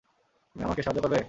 তুমি আমাকে সাহায্য করবে?